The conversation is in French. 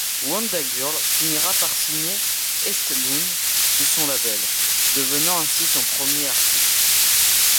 WondaGurl finira par signer Eestbound sous son label, devenant ainsi son premier artiste.